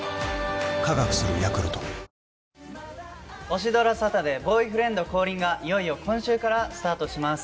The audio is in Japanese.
オシドラサタデー『ボーイフレンド降臨！』がいよいよ今週からスタートします。